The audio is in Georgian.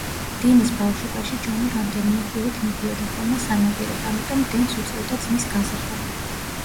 დინის ბავშვობაში ჯონი რამდენიმე კვირით მიდიოდა ხოლმე სანადიროდ, ამიტომ დინს უწევდა ძმის გაზრდა.